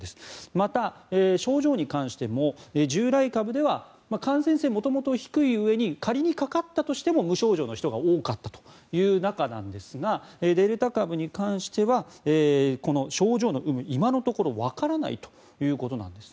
また、症状に関しても従来株では感染性が元々低いうえに仮にかかったとしても無症状の人が多かったという中なんですがデルタ株に関しては症状の有無が今のところわからないということなんです。